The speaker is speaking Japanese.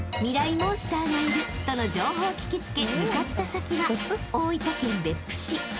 モンスターがいるとの情報を聞き付け向かった先は］